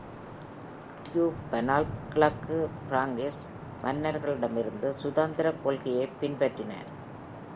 Duke Arnulf கிழக்கு Frankish மன்னர்களிடமிருந்து சுதந்திரக் கொள்கையை பின்பற்றினார்.